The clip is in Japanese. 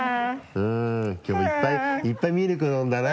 きょういっぱいミルク飲んだな。